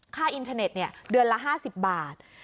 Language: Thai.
ค่าอินเทอร์เน็ตเนี่ยเดือนละ๕๐บาท